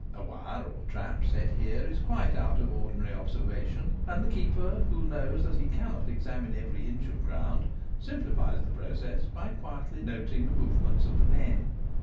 A wire or trap set here is quite out of ordinary observation ; and the keeper, who knows that he cannot examine every inch of ground, simplifies the process by quietly noting the movements of the men.